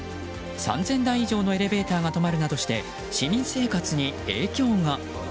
３０００台以上のエレベーターが止まるなどして市民生活に影響が。